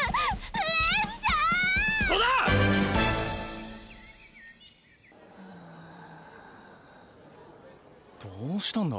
あーどうしたんだ？